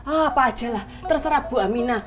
apa ajalah terserah bu aminah